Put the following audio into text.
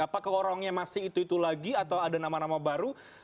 apakah orangnya masih itu itu lagi atau ada nama nama baru